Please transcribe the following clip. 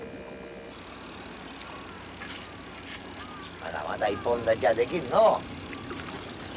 まだまだ一本立ちはできんのう。